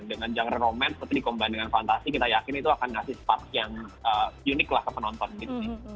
dengan genre romant seperti dikombandingkan fantasi kita yakin itu akan ngasih spark yang unik lah ke penonton gitu sih